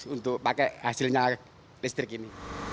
untuk pakai hasilnya listrik ini